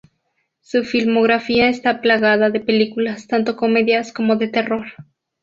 Su filmografía está plagada de películas, tanto comedias como de terror.